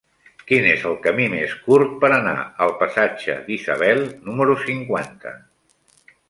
Quin és el camí més curt per anar al passatge d'Isabel número cinquanta?